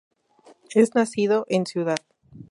Es nacido en Cd.